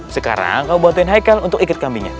sekarang kamu bantuin haikal untuk iket kambingnya ya